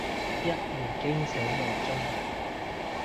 一言驚醒夢中人